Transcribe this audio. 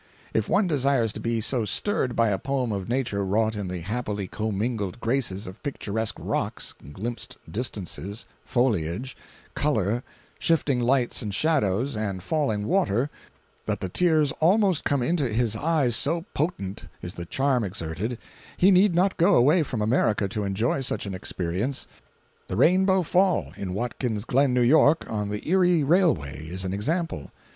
If one desires to be so stirred by a poem of Nature wrought in the happily commingled graces of picturesque rocks, glimpsed distances, foliage, color, shifting lights and shadows, and failing water, that the tears almost come into his eyes so potent is the charm exerted, he need not go away from America to enjoy such an experience. The Rainbow Fall, in Watkins Glen (N.Y.), on the Erie railway, is an example.